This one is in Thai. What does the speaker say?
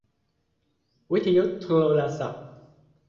วิทยุโทรศัพท์